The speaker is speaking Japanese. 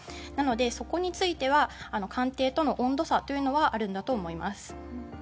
なので、そこについては官邸との温度差というのはあるんだと思います。